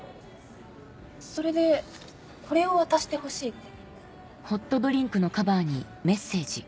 それでこれを渡してほしいって。